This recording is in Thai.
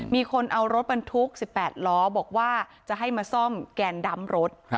มีคนเอารถบรรทุก๑๘ล้อบอกว่าจะให้มาซ่อมแกนดำรถ